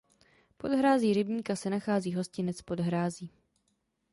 Pod hrází rybníka se nachází hostinec Pod Hrází.